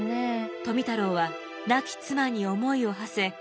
富太郎は亡き妻に思いをはせ